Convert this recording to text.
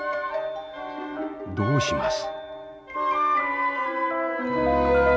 どうします？